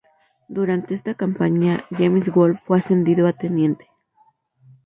Durante esta campaña James Wolfe fue ascendido a teniente.